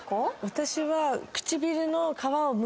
私は。